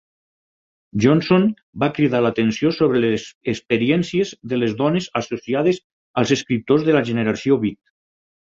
Johnson va cridar l'atenció sobre les experiències de les dones associades als escriptors de la generació Beat.